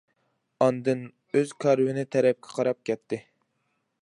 ئاندىن ئۆز كارۋىنى تەرەپكە قاراپ كەتتى.